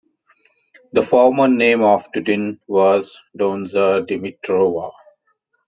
The former name of Tutin was Donja Dimitrova.